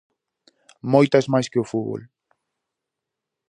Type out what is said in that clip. Moitas máis que o fútbol.